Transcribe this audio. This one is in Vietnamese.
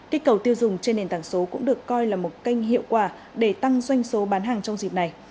kích cầu tiêu dùng trên nền tảng số cũng được coi là một kênh hiệu quả để tăng doanh số bán hàng trong dịp này